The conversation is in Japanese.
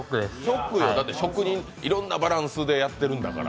職人、いろんなバランスでやってるんだから。